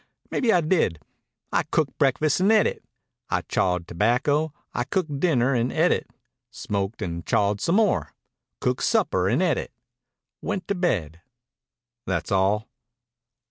Maybe I did. I cooked breakfast and et it. I chawed tobacco. I cooked dinner and et it. Smoked and chawed some more. Cooked supper and et it. Went to bed." "That all?"